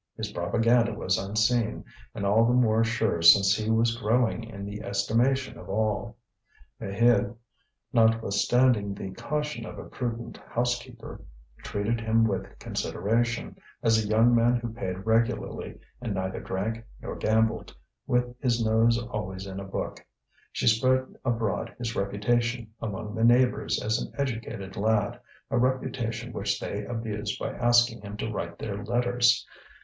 His propaganda was unseen, and all the more sure since he was growing in the estimation of all. Maheude, notwithstanding the caution of a prudent housekeeper, treated him with consideration, as a young man who paid regularly and neither drank nor gambled, with his nose always in a book; she spread abroad his reputation among the neighbours as an educated lad, a reputation which they abused by asking him to write their letters.